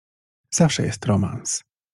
"Zawsze jest romans."